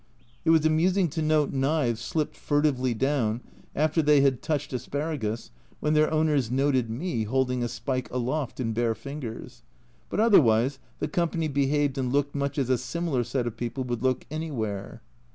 It was amusing to note knives slipped furtively down after they had touched asparagus when their owners noted me holding a spike aloft in bare fingers but otherwise the company behaved and looked much as a similar set of people would look anywhere.